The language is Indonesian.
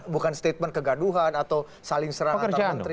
bukan statement kegaduhan atau saling serang antar menteri